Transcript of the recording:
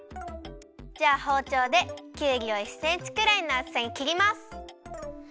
じゃあほうちょうできゅうりを１センチくらいのあつさに切ります。